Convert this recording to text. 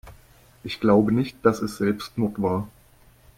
Ich glaube nicht, dass es Selbstmord war.